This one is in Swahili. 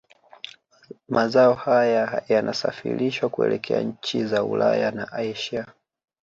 Mazao haya yanasafirishwa kuelekea nchi za Ulaya na Asia